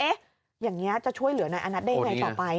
อย่างนี้จะช่วยเหลือนายอานัทได้ยังไงต่อไป